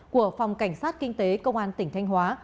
của phòng cảnh sát kinh tế công an tỉnh thanh hóa